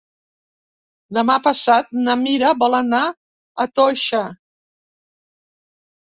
Demà passat na Mira vol anar a Toixa.